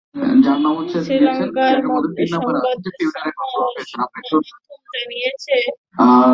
শ্রীলঙ্কার সংবাদমাধ্যম জানিয়েছে, গুনাতিলকা নিজেই তাঁর নরওয়েজিয়ান বান্ধবীর সঙ্গে যোগাযোগ করেন।